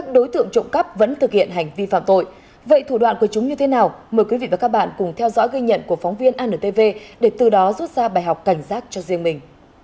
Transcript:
đối tượng thường xuyên di chuyển theo lộ trình từ sơn la về hương yên